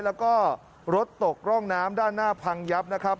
แล้วก็รถตกร่องน้ำด้านหน้าพังยับนะครับ